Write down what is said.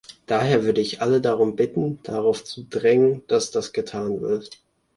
Daher würde ich alle darum bitten, darauf zu drängen, dass das getan wird.